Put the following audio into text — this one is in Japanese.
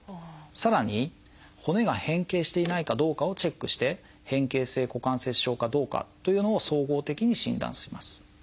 さらに骨が変形していないかどうかをチェックして変形性股関節症かどうかというのを総合的に診断します。